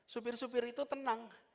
supir supir itu tenang